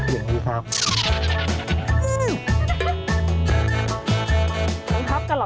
ซะครับกันเหรอคะ